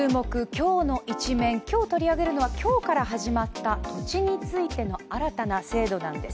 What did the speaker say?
きょうのイチメン」、今日取り上げるのは今日から始まった土地についての新たな制度なんです。